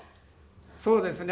「そうですね」